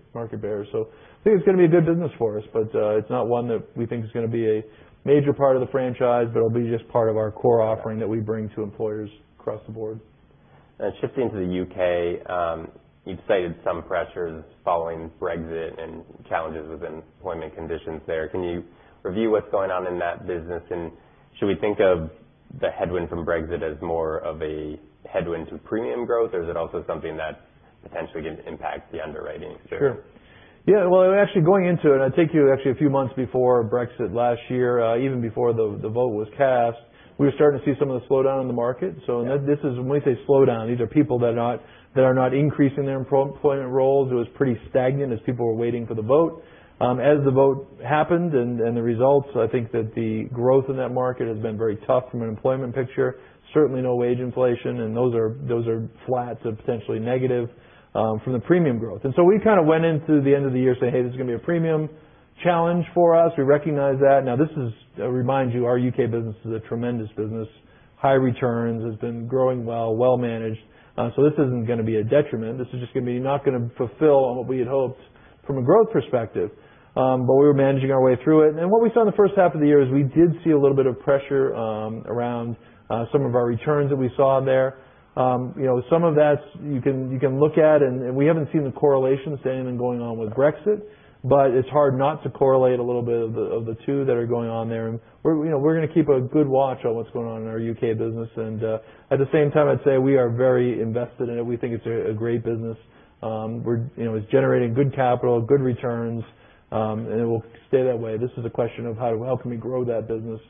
bears. I think it's going to be a good business for us, but it's not one that we think is going to be a major part of the franchise, but it'll be just part of our core offering that we bring to employers across the board. Shifting to the U.K., you've cited some pressures following Brexit and challenges with employment conditions there. Can you review what's going on in that business, and should we think of the headwind from Brexit as more of a headwind to premium growth, or is it also something that potentially can impact the underwriting too? Sure. Yeah. Well, actually going into it, I take you actually a few months before Brexit last year, even before the vote was cast, we were starting to see some of the slowdown in the market. Yeah. This is, when we say slowdown, these are people that are not increasing their employment roles. It was pretty stagnant as people were waiting for the vote. As the vote happened and the results, I think that the growth in that market has been very tough from an employment picture. Certainly no wage inflation, those are flats of potentially negative, from the premium growth. We kind of went into the end of the year saying, "Hey, this is going to be a premium challenge for us. We recognize that." Now, this is, remind you, our U.K. business is a tremendous business, high returns, has been growing well, well-managed. This isn't going to be a detriment. This is just going to be not going to fulfill what we had hoped from a growth perspective. We were managing our way through it. What we saw in the first half of the year is we did see a little bit of pressure, around some of our returns that we saw there. Some of that you can look at, and we haven't seen the correlation to anything going on with Brexit, but it's hard not to correlate a little bit of the two that are going on there. We're going to keep a good watch on what's going on in our U.K. business. At the same time, I'd say we are very invested in it. We think it's a great business. It's generating good capital, good returns, and it will stay that way. This is a question of how can we grow that business,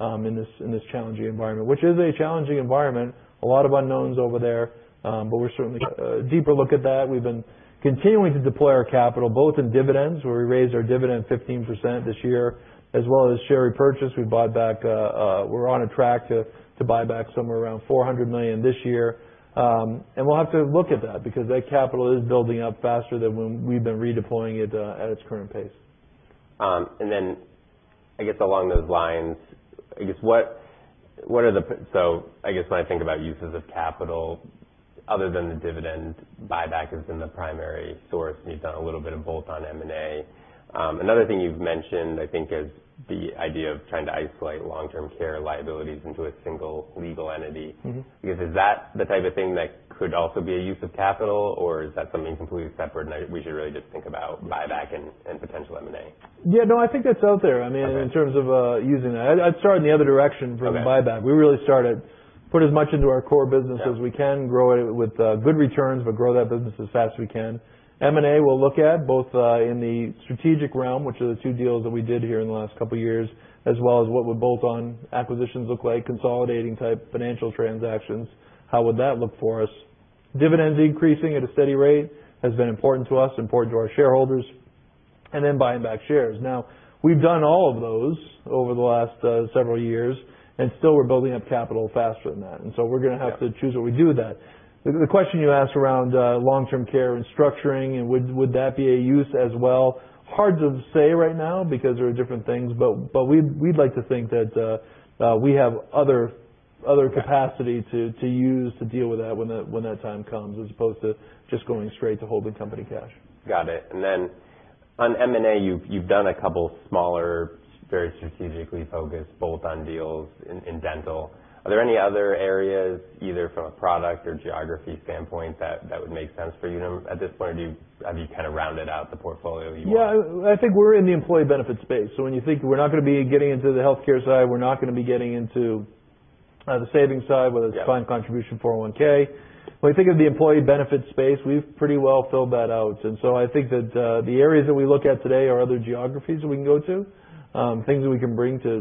in this challenging environment. Which is a challenging environment. A lot of unknowns over there. We're certainly a deeper look at that. We've been continuing to deploy our capital both in dividends, where we raised our dividend 15% this year, as well as share repurchase. We bought back, we're on a track to buy back somewhere around $400 million this year. We'll have to look at that because that capital is building up faster than when we've been redeploying it at its current pace. I guess along those lines, I guess when I think about uses of capital other than the dividend, buyback has been the primary source, and you've done a little bit of bolt-on M&A. Another thing you've mentioned, I think, is the idea of trying to isolate long-term care liabilities into a single legal entity. Is that the type of thing that could also be a use of capital, or is that something completely separate and we should really just think about buyback and potential M&A? Yeah. No, I think that's out there. Okay in terms of using that. I'd start in the other direction from buyback. Okay. We really start at put as much into our core business as we can. Yeah. Grow it with good returns, grow that business as fast as we can. M&A, we'll look at both, in the strategic realm, which are the two deals that we did here in the last couple of years, as well as what would bolt-on acquisitions look like, consolidating type financial transactions. How would that look for us? Dividends increasing at a steady rate has been important to us, important to our shareholders. Buying back shares. Now we've done all of those over the last several years, still we're building up capital faster than that. We're going to have to choose what we do with that. The question you asked around long-term care and structuring and would that be a use as well? Hard to say right now because there are different things, but we'd like to think that we have other capacity to use to deal with that when that time comes, as opposed to just going straight to holding company cash. Got it. On M&A, you've done a couple smaller, very strategically focused bolt-on deals in dental. Are there any other areas, either from a product or geography standpoint, that would make sense for Unum at this point? Have you kind of rounded out the portfolio that you want? Yeah. I think we're in the employee benefit space. When you think we're not going to be getting into the healthcare side, we're not going to be getting into the savings side, whether it's defined contribution 401(k). When we think of the employee benefits space, we've pretty well filled that out. I think that the areas that we look at today are other geographies that we can go to, things that we can bring to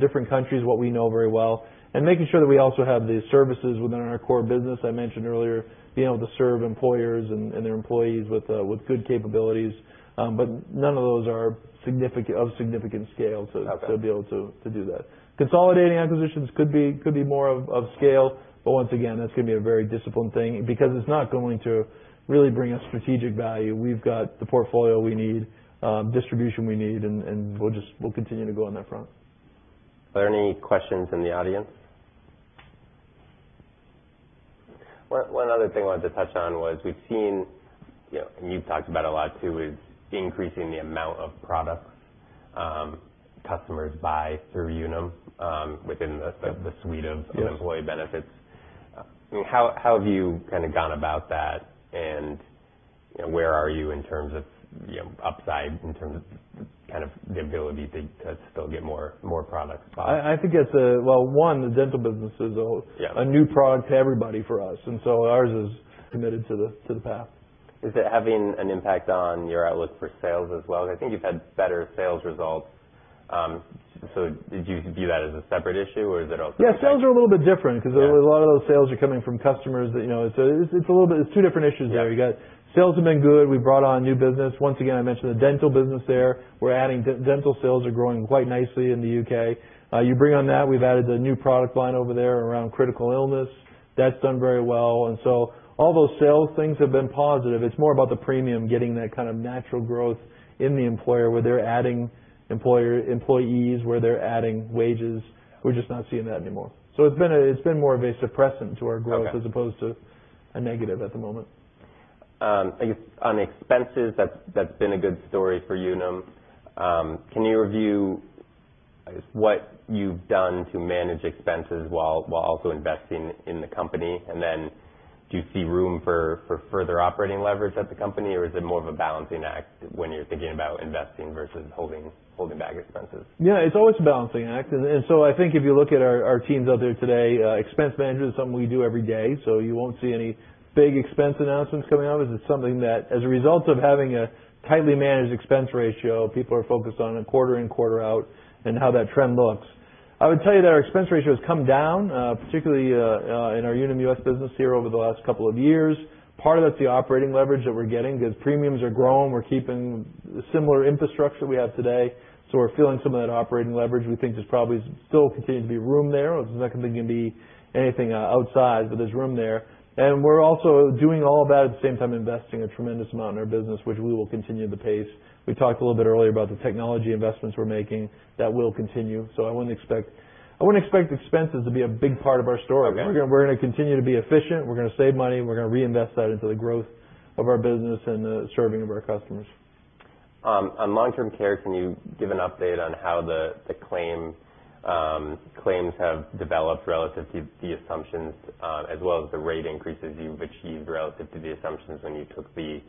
different countries what we know very well. Making sure that we also have the services within our core business. I mentioned earlier being able to serve employers and their employees with good capabilities. None of those are of significant scale to be able to do that. Consolidating acquisitions could be more of scale. Once again, that's going to be a very disciplined thing because it's not going to really bring us strategic value. We've got the portfolio we need, distribution we need, we'll continue to go on that front. Are there any questions from the audience? One other thing I wanted to touch on was we've seen, and you've talked about a lot too, is increasing the amount of products customers buy through Unum within the suite of employee benefits. Yes. How have you gone about that, and where are you in terms of upside, in terms of the ability to still get more products bought? I think it's, well, one, the dental business is a new product to everybody for us, ours is committed to the path. Is it having an impact on your outlook for sales as well? I think you've had better sales results. Did you view that as a separate issue? Yeah, sales are a little bit different because a lot of those sales are coming from customers that. It's two different issues there. Yeah. You've got sales have been good. We brought on new business. Once again, I mentioned the dental business there. We're adding dental. Sales are growing quite nicely in the U.K. You bring on that, we've added the new product line over there around Critical Illness. That's done very well. All those sales things have been positive. It's more about the premium, getting that kind of natural growth in the employer, where they're adding employees, where they're adding wages. We're just not seeing that anymore. It's been more of a suppressant to our growth- Okay as opposed to a negative at the moment. I guess on expenses, that's been a good story for Unum. Can you review, I guess, what you've done to manage expenses while also investing in the company? Do you see room for further operating leverage at the company, or is it more of a balancing act when you're thinking about investing versus holding back expenses? It's always a balancing act. I think if you look at our teams out there today, expense management is something we do every day. You won't see any big expense announcements coming out as it's something that, as a result of having a tightly managed expense ratio, people are focused on a quarter in, quarter out and how that trend looks. I would tell you that our expense ratio has come down, particularly in our Unum US business here over the last couple of years. Part of that's the operating leverage that we're getting because premiums are growing. We're keeping similar infrastructure we have today. We're feeling some of that operating leverage. We think there's probably still continues to be room there. It's not going to be anything outside, but there's room there. We're also doing all of that at the same time investing a tremendous amount in our business, which we will continue the pace. We talked a little bit earlier about the technology investments we're making. That will continue. I wouldn't expect expenses to be a big part of our story. Okay. We're going to continue to be efficient. We're going to save money, and we're going to reinvest that into the growth of our business and the serving of our customers. On long-term care, can you give an update on how the claims have developed relative to the assumptions as well as the rate increases you've achieved relative to the assumptions when you took the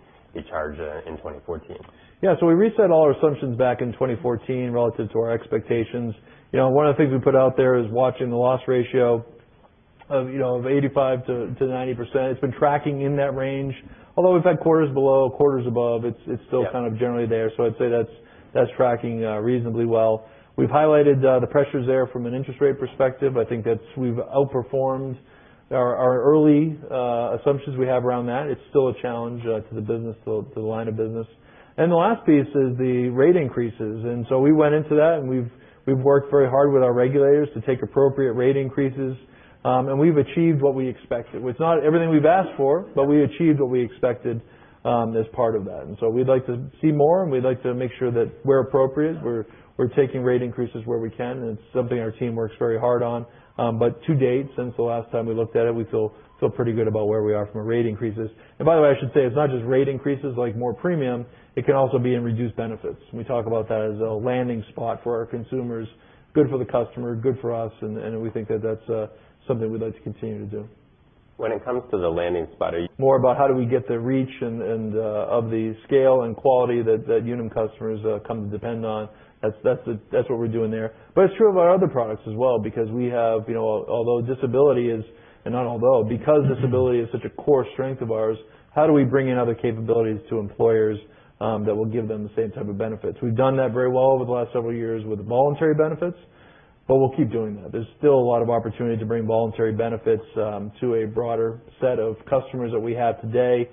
charge in 2014? Yeah. We reset all our assumptions back in 2014 relative to our expectations. One of the things we put out there is watching the loss ratio of 85%-90%. It's been tracking in that range. Although we've had quarters below, quarters above, it's still kind of generally there. I'd say that's tracking reasonably well. We've highlighted the pressures there from an interest rate perspective. I think that we've outperformed our early assumptions we have around that. It's still a challenge to the line of business. The last piece is the rate increases. We went into that, and we've worked very hard with our regulators to take appropriate rate increases, and we've achieved what we expected. It's not everything we've asked for, but we achieved what we expected as part of that. We'd like to see more, and we'd like to make sure that where appropriate, we're taking rate increases where we can, and it's something our team works very hard on. To date, since the last time we looked at it, we feel pretty good about where we are from a rate increases. By the way, I should say it's not just rate increases like more premium, it can also be in reduced benefits. We talk about that as a landing spot for our consumers, good for the customer, good for us, and we think that that's something we'd like to continue to do. When it comes to the landing spot, are you- More about how do we get the reach of the scale and quality that Unum customers come to depend on. That's what we're doing there. It's true of our other products as well because we have. Because disability is such a core strength of ours, how do we bring in other capabilities to employers that will give them the same type of benefits? We've done that very well over the last several years with voluntary benefits. We'll keep doing that. There's still a lot of opportunity to bring voluntary benefits to a broader set of customers that we have today.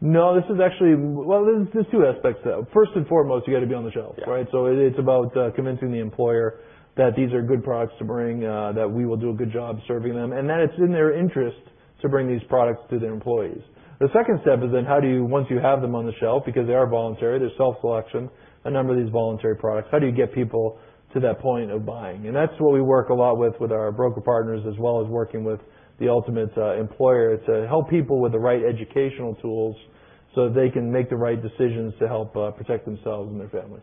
No, this is actually Well, there's two aspects, though. First and foremost, you got to be on the shelf, right? Yeah. It's about convincing the employer that these are good products to bring, that we will do a good job serving them, and that it's in their interest to bring these products to their employees. The second step is then how do you, once you have them on the shelf, because they are voluntary, they're self-selection, a number of these voluntary products, how do you get people to that point of buying? That's what we work a lot with our broker partners, as well as working with the ultimate employer, to help people with the right educational tools so they can make the right decisions to help protect themselves and their families.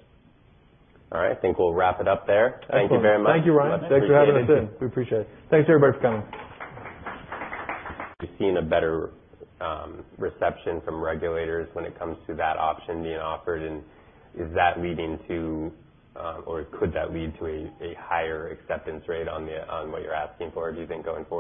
All right. I think we'll wrap it up there. Excellent. Thank you very much. Thank you, Ryan. I appreciate your time. Thanks for having us in. We appreciate it. Thanks, everybody, for coming.